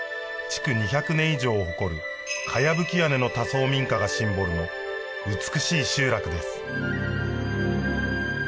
築２００年以上を誇る茅葺屋根の多層民家がシンボルの美しい集落です